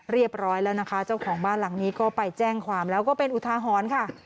เรียบร้อยแล้วนะคะเจ้าของบ้านหลังนี้ก็ไปแจ้งความแล้วก็เป็นอุทาหรณ์ค่ะ